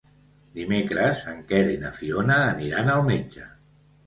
Dimecres en Quer i na Fiona aniran al metge.